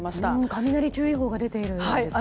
雷注意報が出ているみたいですね。